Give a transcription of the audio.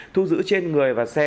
thu giữ trên người và xe